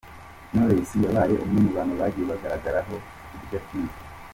Knowless yabaye umwe mu bantu bagiye bagaragaraho udushya twinshi.